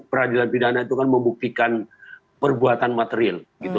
peradilan pidana itu kan membuktikan perbuatan materil gitu